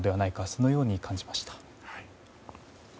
そのように感じました。